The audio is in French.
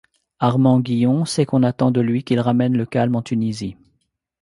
Armand Guillon sait qu’on attend de lui qu’il ramène le calme en Tunisie.